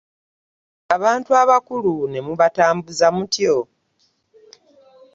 Abantu abakulu ne mubatambuza mutyo!